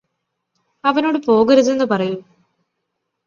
അവനോട് പോകരുതെന്ന് പറയൂ